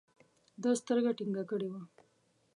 ده سترګه ټينګه کړې وه.